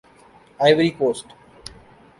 Ivory Coast